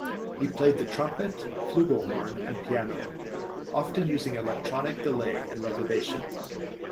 He played the trumpet, flugelhorn, and piano, often using electronic delay and reverberation.